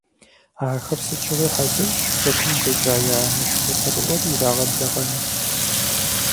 Ахэр сыт щыгъуи хьэзырщ хэкум къикӏа я анэшхуэ цӀэрыӀуэр ирагъэблэгъэну.